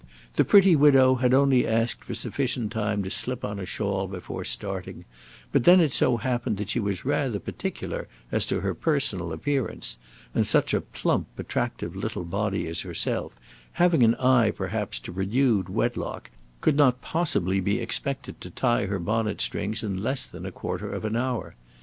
The pretty widow had only asked for sufficient time to slip on a shawl before starting; but then it so happened that she was rather particular as to her personal appearance and such a plump, attractive little body as herself, having an eye perhaps to renewed wedlock, could not possibly be expected to tie her bonnet strings in less than a quarter of an hour.